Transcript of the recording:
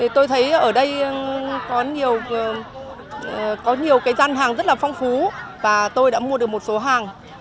tôi thấy ở đây có nhiều gian hàng rất phong phú và tôi đã mua được một số hàng